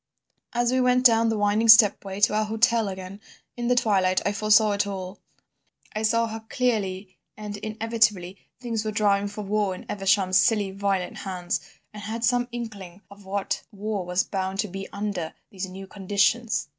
"As we went down the winding stepway to our hotel again, in the twilight, I foresaw it all: I saw how clearly and inevitably things were driving for war in Evesham's silly, violent hands, and I had some inkling of what war was bound to be under these new conditions.